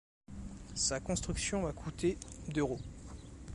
Sa construction a coûté d'euros.